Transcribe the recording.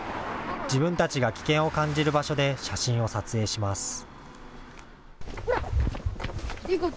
自分たちが危険を感じる場所で写真を撮影します。